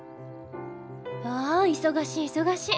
あ忙しい忙しい。